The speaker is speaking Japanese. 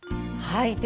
はい。